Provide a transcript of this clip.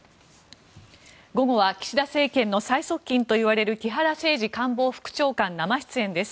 午後は岸田政権の蔡総統といわれる木原誠二官房副長官生出演です。